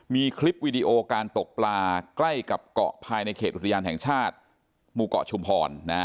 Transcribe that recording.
มีคลิปวีดีโอการตกปลาใกล้กับเกาะภายในเขตอุทยานแห่งชาติหมู่เกาะชุมพร